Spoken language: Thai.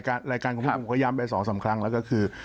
รายการของพี่ผมก็ย้ำไปสองสามครั้งแล้วก็คือ